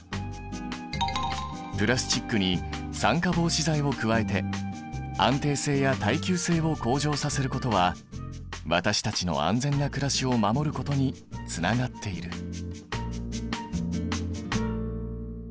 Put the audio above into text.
プラスチックに酸化防止剤を加えて安定性や耐久性を向上させることは私たちの安全なくらしを守ることにつながっている。